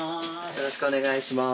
よろしくお願いします。